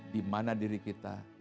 dimana diri kita